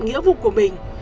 nghĩa vụ của mình